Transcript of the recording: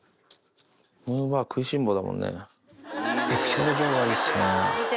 表情がいいっすね。